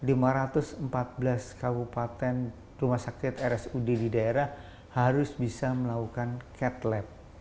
untuk jantung kita ingin lima ratus empat belas kabupaten rumah sakit rsud di daerah harus bisa melakukan cat lab